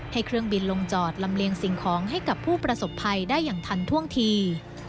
เครื่องบินลงจอดลำเลียงสิ่งของให้กับผู้ประสบภัยได้อย่างทันท่วงที